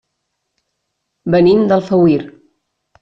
Venim d'Alfauir.